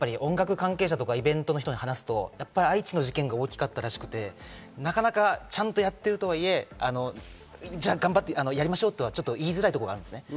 ただ加藤さんが言われた分離するのはわかるんですけど、音楽関係者とかイベントの人に話すと、愛知の事件が大きかったらしくて、なかなかちゃんとやっているとはいえ、頑張ってやりましょうとは言いづらいところがあるんですね。